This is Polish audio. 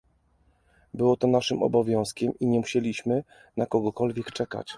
Było to naszym obowiązkiem i nie musieliśmy na kogokolwiek czekać